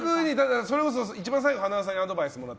それこそ一番最後にはなわさんにアドバイスもらって。